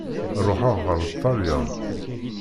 Ṛuḥeɣ ar Ṭelyan.